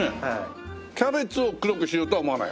キャベツを黒くしようとは思わない？